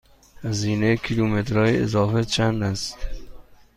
هزینه کیلومترهای اضافه چند است؟